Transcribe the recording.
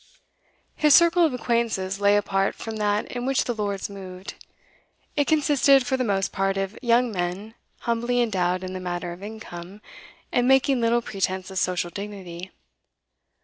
His circle of acquaintances lay apart from that in which the Lords moved; it consisted for the most part of young men humbly endowed in the matter of income, and making little pretence of social dignity.